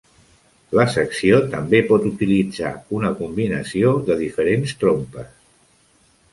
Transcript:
La secció també pot utilitzar una combinació de diferents trompes.